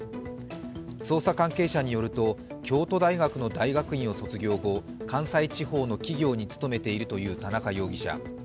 捜査関係者によると京都大学の大学院を卒業後、関西地方の企業に勤めているという田中容疑者。